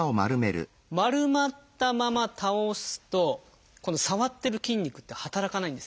丸まったまま倒すとこの触ってる筋肉って働かないんですね。